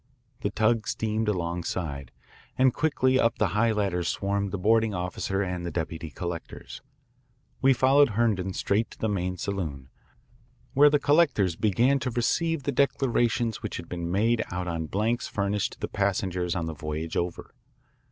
The tug steamed alongside, and quickly up the high ladders swarmed the boarding officer and the deputy collectors. We followed Herndon straight to the main saloon, where the collectors began to receive the declarations which had been made out on blanks furnished to the passengers on the voyage over.